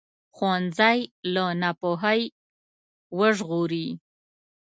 ښوونځی له ناپوهۍ وژغوري